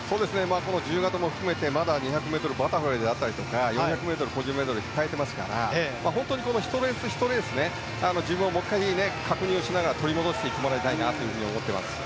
自由形も含めて、まだ２００ｍバタフライであったり４００ｍ個人メドレーが控えていますから本当に１レース、１レース自分をもう１回確認しながら取り戻していってほしいなと思います。